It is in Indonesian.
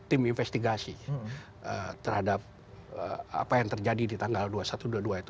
juga tim investigasi terhadap apa yang terjadi di tanggal dua satu dua dua itu